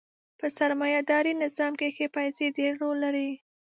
په سرمایه داري نظام کښې پیسې ډېر رول لري.